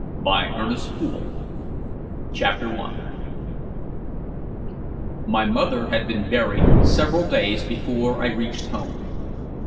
BOOK II CHAPTER I My mother had been buried several days before I reached home.